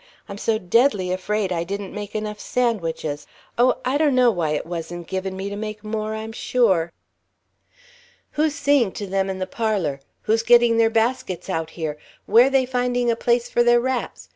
"I'm so deadly afraid I didn't make enough sandwiches. Oh, I donno why it wasn't given me to make more, I'm sure." "Who's seeing to them in the parlour? Who's getting their baskets out here? Where they finding a place for their wraps?